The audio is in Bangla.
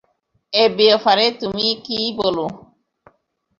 এ ব্যাপারে তুমি কী বলো?